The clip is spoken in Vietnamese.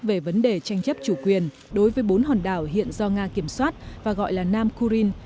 về vấn đề tranh chấp chủ quyền đối với bốn hòn đảo hiện do nga kiểm soát và gọi là nam kurin